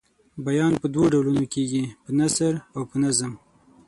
بیان په دوو ډولونو کیږي په نثر او په نظم.